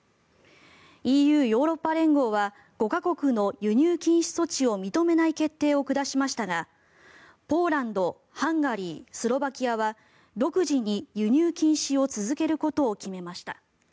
ＥＵ・ヨーロッパ連合は５か国の輸入禁止措置を認めない決定を下しましたがポーランド、ハンガリースロバキアは独自に輸入禁止を続けることを決めました。